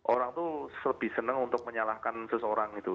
orang itu lebih senang untuk menyalahkan seseorang gitu